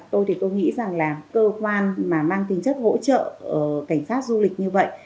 tôi thì tôi nghĩ rằng là cơ quan mà mang tính chất hỗ trợ cảnh sát du lịch như vậy